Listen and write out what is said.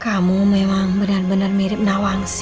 kamu memang benar benar mirip nawang